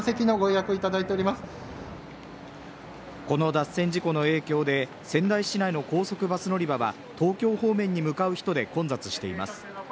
この脱線事故の影響で仙台市内の高速バス乗り場は東京方面に向かう人で混雑しています